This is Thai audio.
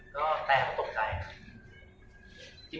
ก็แตรเขาตกใจ